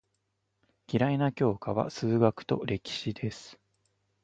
嫌いな教科は数学と歴史です。